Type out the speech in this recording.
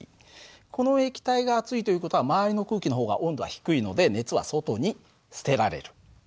この液体が熱いという事は周りの空気の方が温度は低いので熱は外に捨てられる。